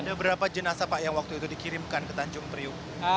ada beberapa jenasa pak yang waktu itu dikirimkan ke tanjung priu